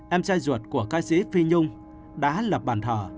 em trai ruột của ca sĩ phi nhung đã lập bàn thờ